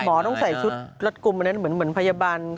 หมอต้องใส่ชุดรถกุมเหมือนพยาบัน